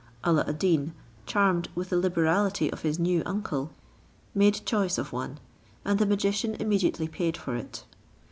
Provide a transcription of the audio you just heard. Alla ad Deen, charmed with the liberality of his new uncle, made choice of one, and the magician immediately paid for it.